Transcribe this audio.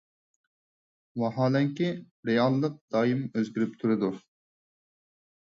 ۋاھالەنكى، رېئاللىق دائىم ئۆزگىرىپ تۇرىدۇ.